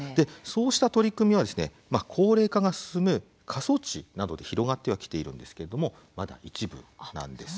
そうした取り組みは高齢化が進む過疎地などで広がってはきているんですけれどもまだ一部なんです。